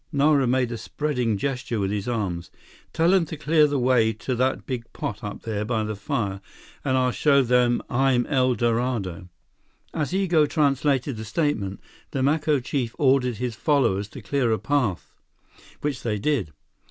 Nara made a spreading gesture with his arms. "Tell them to clear the way to that big pot up there by the fire, and I'll show them I'm El Dorado!" As Igo translated the statement, the Maco chief ordered his followers to clear a path, which they did.